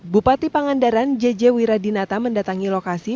bupati pangandaran jeje wira dinata mendatangi lokasi